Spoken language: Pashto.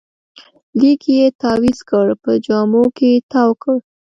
لیک یې تاویز کړ، په جامو کې تاوکړ